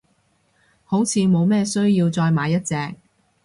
好似冇咩需要再買一隻，